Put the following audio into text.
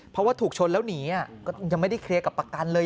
เพราะว่าถูกชนแล้วหนีก็ยังไม่ได้เคลียร์กับประกันเลย